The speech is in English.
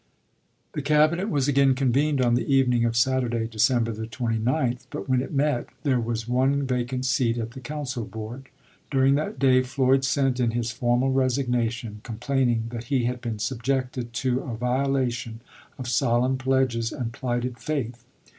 The Cabinet was again convened on the evening of Saturday, December 29th; but when it met, there was one vacant seat at the council board.1 During that day, Floyd sent in his formal resigna tion, complaining that he had been subjected " to a violation of solemn pledges and plighted faith."